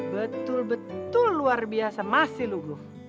betul betul luar biasa masih luguh